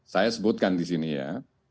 saya sebutkan di sini ya